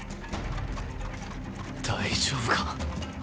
大丈夫か。